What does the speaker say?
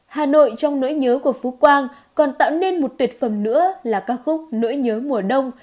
hà nội trong nỗi nhớ của phú quang còn tạo nên một tuyệt phẩm nữa là ca khúc nỗi nhớ mùa đông